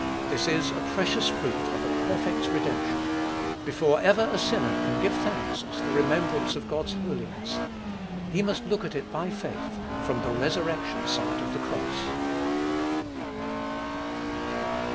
This is a precious fruit of a perfect redemption. Before ever a sinner can give thanks at the remembrance of God's holiness, he must look at it by faith, from the resurrection side of the cross.